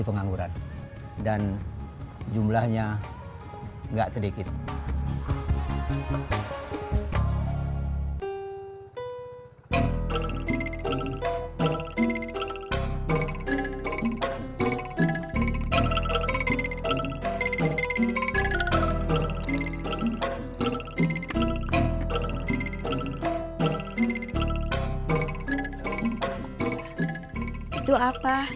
mengangguran dan jumlahnya enggak sedikit itu apa